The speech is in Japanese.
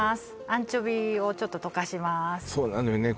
アンチョビをちょっと溶かしますそうなのよね